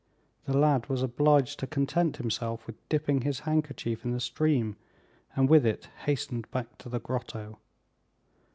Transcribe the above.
The lad was obliged to content himself with dipping his handkerchief in the stream, and with it hastened back to the grotto.